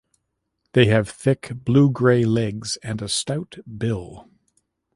They have thick blue-grey legs and a stout bill.